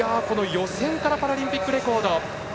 予選からパラリンピックレコード。